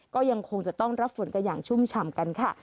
ก็ยังคงจะต้องรับฝนกันอย่างชุ่มฉ่ำกันค่ะ